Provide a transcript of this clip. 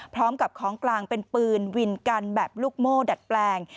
พร้อมกับของกลางเป็นปืนวินกันแบบลูกโม่ดัดแปลง